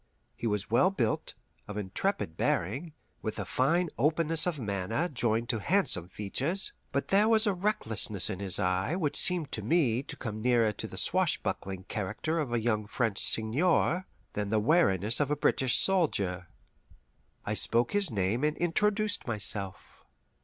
He was well built, of intrepid bearing, with a fine openness of manner joined to handsome features. But there was a recklessness in his eye which seemed to me to come nearer the swashbuckling character of a young French seigneur than the wariness of a British soldier. I spoke his name and introduced myself.